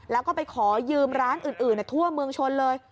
แล้วก็ไปขอยืมร้านอื่นทั่วเมืองชนเลย